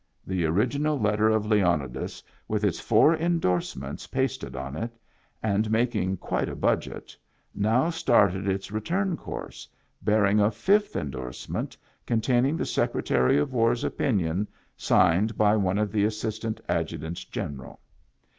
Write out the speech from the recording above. The original let ter of Leonidas with its four indorsements pasted on it, and making quite a budget, now started its return course bearing a fifth indorsement contain ing the Secretary of War's opinion signed by one of the Assistant Adjutants General.